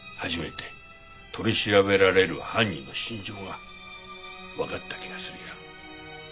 初めて取り調べられる犯人の心情がわかった気がするよ。